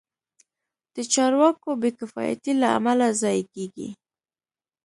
د چارواکو بې کفایتۍ له امله ضایع کېږي.